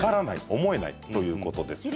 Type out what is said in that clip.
思えないということです。